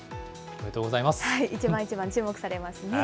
一番一番、注目されますね。